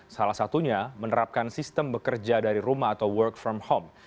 salah satunya menerapkan sistem bekerja dari rumah atau work from home